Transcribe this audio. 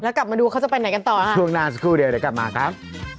กลับมาดูเขาจะไปไหนกันต่อค่ะช่วงหน้าสักครู่เดียวเดี๋ยวกลับมาครับ